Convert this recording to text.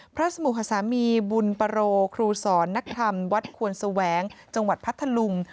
พระสมุหสามีบุญปโรครูสอนนักธรรมวัดควรแสวงจังหวัดพัทธลุง